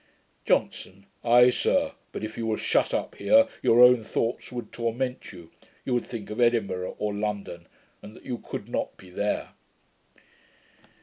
JOHNSON. 'Ay, sir; but if you were shut up here, your own thoughts would torment you: you would think of Edinburgh or London, and that you could not be there.'